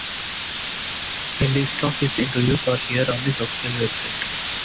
A list of his interviews are here on his official website.